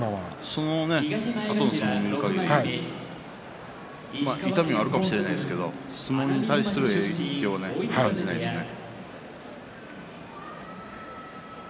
そのあとの相撲を見るかぎり痛みはあるかもしれないですけど相撲に対する影響は感じないですね。